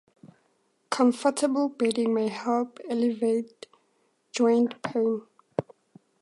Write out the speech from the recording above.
Comfortable bedding may help alleviate joint pain.